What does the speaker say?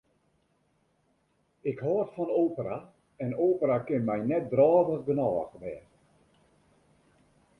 Ik hâld fan opera en opera kin my net drôvich genôch wêze.